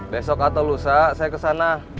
besok atau lusa saya kesana